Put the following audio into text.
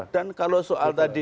dan kalau soal tadi